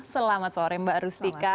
selamat sore mbak rustika